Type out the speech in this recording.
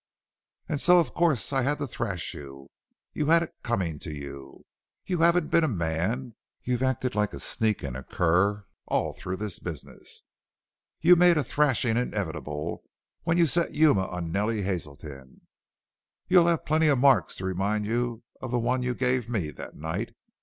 and so of course I had to thrash you you had it coming to you. You haven't been a man you've acted like a sneak and a cur all through this business. You made a thrashing inevitable when you set Yuma on Nellie Hazelton. You'll have plenty of marks to remind you of the one you gave me that night."